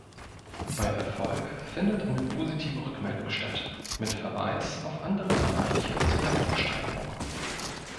Bei Erfolg findet eine positive Rückmeldung statt, mit Verweis auf andere Bereiche zur Leistungssteigerung.